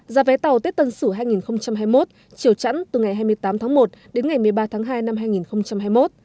giá vé tàu tết tân sử hai nghìn hai mươi một chiều chẵn từ ngày hai mươi tám tháng một đến ngày một mươi ba tháng hai năm hai nghìn hai mươi một